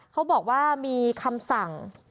เขาบอกว่ามีคำสั่ง